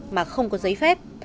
mà không có giấy phép